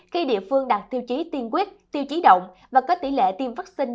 khi địa phương đạt tiêu chí tiên quyết tiêu chí động và có tỷ lệ tiêm vaccine